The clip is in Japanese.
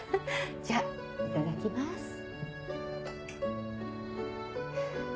じゃあいただきます。